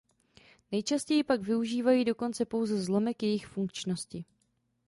Nejčastěji pak využívají dokonce pouze zlomek jejich funkčnosti.